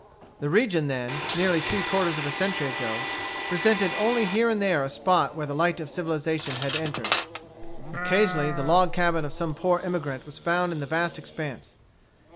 The region then, nearly three quarters of a century ago, presented only here and there a spot where the light of civilization had entered. Occasionally the log cabin of some poor emigrant was found in the vast expanse.